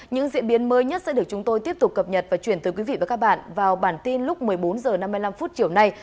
những diễn biến mới nhất sẽ được chúng tôi tiếp tục cập nhật và chuyển tới quý vị và các bạn vào bản tin lúc một mươi bốn h năm mươi năm chiều nay